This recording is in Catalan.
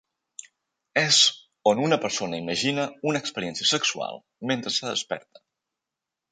És on una persona imagina una experiència sexual mentre està desperta.